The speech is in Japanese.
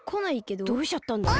どうしちゃったんだろう。